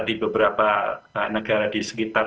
di beberapa negara di sekitar